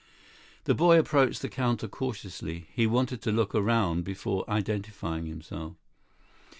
The boy approached the counter cautiously. He wanted to look around before identifying himself.